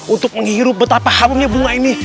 untuk menghirup betapa harumnya bunga ini